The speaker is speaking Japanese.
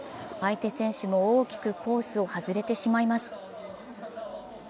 相手選手も大きくコースを外れてしまいます。